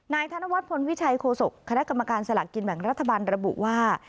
ธนวัฒนพลวิชัยโฆษกคณะกรรมการสลากกินแบ่งรัฐบาลระบุว่า